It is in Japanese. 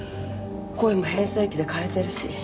声も変声機で変えてるし。